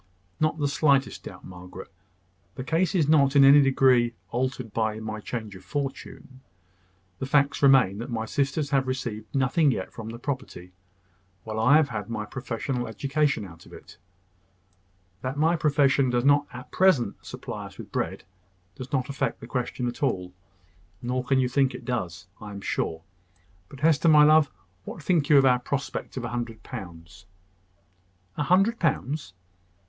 "Not the slightest doubt, Margaret. The case is not in any degree altered by my change of fortune. The facts remain, that my sisters have received nothing yet from the property, while I have had my professional education out of it. That my profession does not at present supply us with bread does not affect the question at all: nor can you think that it does, I am sure. But Hester, my love, what think you of our prospect of a hundred pounds?" "A hundred pounds!"